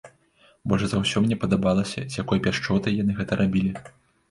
Больш за ўсё мне падабалася, з якой пяшчотай яны гэта рабілі.